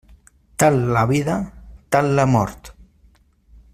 Tal la vida, tal la mort.